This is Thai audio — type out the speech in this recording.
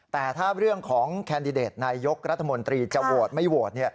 แต่ถ้าเรื่องของแคนดิเดตนายกรัฐมนตรีจะโหวตไม่โหวต